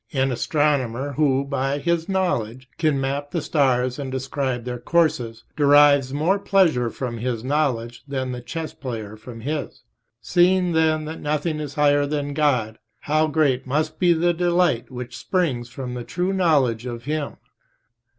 An astronomer who, by his knowledge, can map the stars and describe their courses, derives more pleasure from his knowledge than the chess player from his. Seeing, then, that nothing is higher than God, how great must be the {p. 30} delight which springs from the true knowledge of Him!